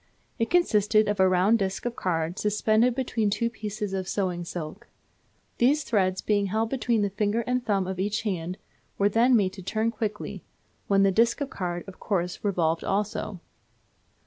It consisted of a round disc of card suspended between two pieces of sewing silk. These threads being held between the finger and thumb of each hand, were then made to turn quickly, when the disc of card, of course, revolved also.